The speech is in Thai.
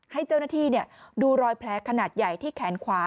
ให้เจ้าหน้าที่ดูรอยแผลขนาดใหญ่ที่แขนขวา